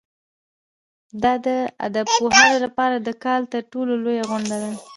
دا د ادبپوهانو لپاره د کال تر ټولو لویه غونډه ده.